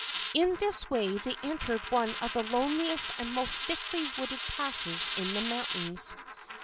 In this way they entered one of the loneliest and most thickly wooded passes in the mountains.